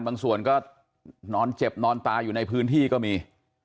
บางส่วนก็นอนเจ็บนอนตายอยู่ในพื้นที่ก็มี